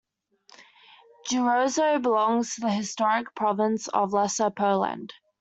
Jaworzno belongs to the historic province of Lesser Poland.